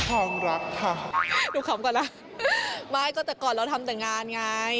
หนูขำก่อนล่ะไม่ก่อนเราทำแต่งานไง